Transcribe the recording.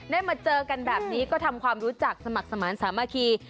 มาเจอกันแบบนี้ก็ทำความรู้จักสมัครสมาธิสามัคคี